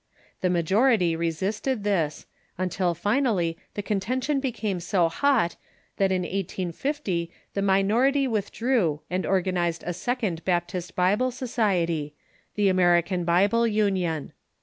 The majority re sisted this, until finally the contention became so hot that in 1850 the minority withdrew and organized a second Baptist Bible society, the American Bible Union.